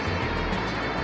jangan makan aku